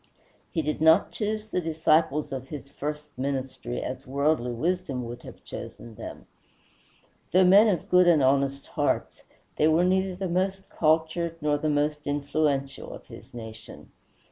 He did not choose the disciples of his first ministry as worldly wisdom would have chosen them. Though men of good and honest hearts, they were neither the most cultured nor the most influential of his nation.